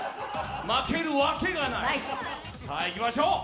負けるわけがないないさあいきましょう